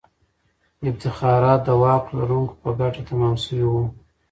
افتخارات د واک لرونکو په ګټه تمام سوي وو.